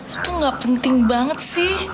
lo tuh gak penting banget sih